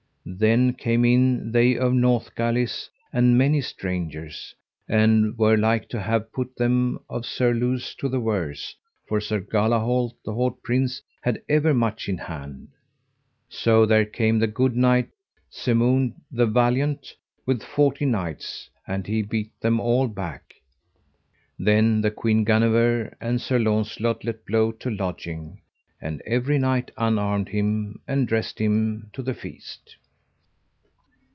Then came in they of Northgalis and many strangers, and were like to have put them of Surluse to the worse, for Sir Galahalt, the haut prince, had ever much in hand. So there came the good knight, Semound the Valiant, with forty knights, and he beat them all aback. Then the Queen Guenever and Sir Launcelot let blow to lodging, and every knight unarmed him, and dressed him to the feast.